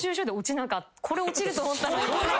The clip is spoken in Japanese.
これ落ちると思ったのに。